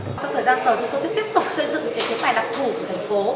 trong thời gian thời chúng tôi sẽ tiếp tục xây dựng những cái chế tài đặc trụ của thành phố